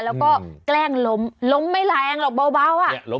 แล้วก็แกล้งล้มล้มไม่แรงหรอกเบาอ่ะ